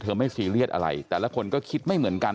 ไม่ซีเรียสอะไรแต่ละคนก็คิดไม่เหมือนกัน